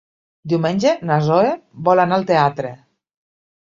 Diumenge na Zoè vol anar al teatre.